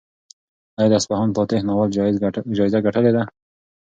ایا د اصفهان فاتح ناول جایزه ګټلې ده؟